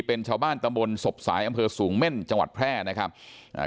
เป็นชาวบ้านตำบลศพสายอำเภอสูงเม่นจังหวัดแพร่นะครับอ่า